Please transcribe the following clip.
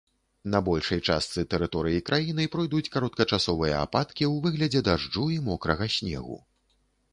На большай частцы тэрыторыі краіны пройдуць кароткачасовыя ападкі ў выглядзе дажджу і мокрага снегу.